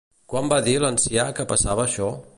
Quan va dir l'ancià que passava això?